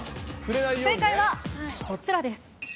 正解はこちらです。